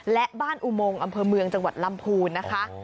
และบ้านอุโมงอำเภอเมืองจังหวัดลำพูนนะคะ